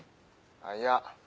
あっいや。